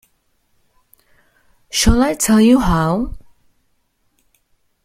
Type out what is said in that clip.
Shall I tell you how?